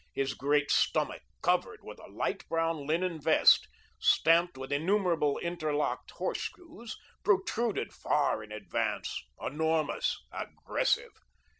His great stomach, covered with a light brown linen vest, stamped with innumerable interlocked horseshoes, protruded far in advance, enormous, aggressive.